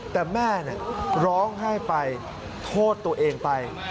แต่แม่ร้องไห้ไปโทษตัวเองไป